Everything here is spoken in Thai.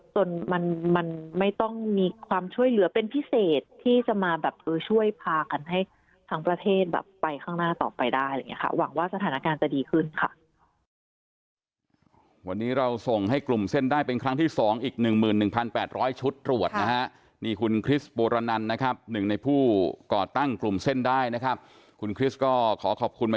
จนมันไม่ต้องมีความช่วยเหลือเป็นพิเศษที่จะมาช่วยพากันให้ทั้งประเทศไปข้างหน้าต่อไปได้